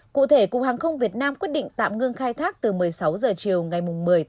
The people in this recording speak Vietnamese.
cụ thể cục hàng không việt nam quyết định tạm ngưng khai thác từ một mươi sáu h chiều ngày một mươi một